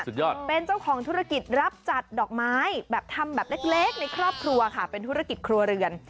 เป็นเจ้าของธุรกิจรับจัดดอกไม้แบบทำแบบเล็กในครอบครัวค่ะเป็นธุรกิจครัวเรือน